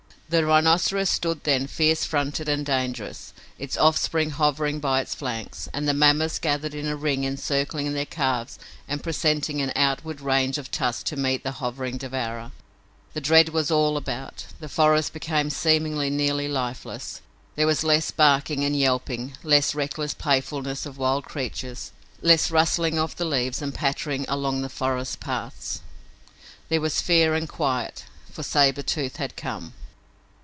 The rhinoceros stood then, fierce fronted and dangerous, its offspring hovering by its flanks, and the mammoths gathered in a ring encircling their calves and presenting an outward range of tusks to meet the hovering devourer. The dread was all about. The forest became seemingly nearly lifeless. There was less barking and yelping, less reckless playfulness of wild creatures, less rustling of the leaves and pattering along the forest paths. There was fear and quiet, for Sabre Tooth had come!